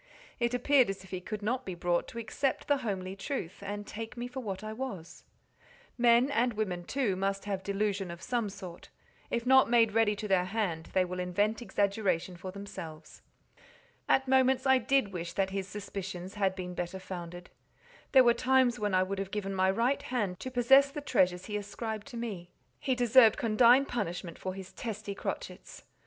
It appeared as if he could not be brought to accept the homely truth, and take me for what I was: men, and women too, must have delusion of some sort; if not made ready to their hand, they will invent exaggeration for themselves. At moments I did wish that his suspicions had been better founded. There were times when I would have given my right hand to possess the treasures he ascribed to me. He deserved condign punishment for his testy crotchets.